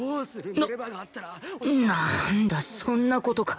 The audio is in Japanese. ななんだそんな事か